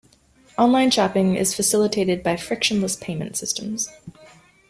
Online shopping is facilitated by frictionless payment systems.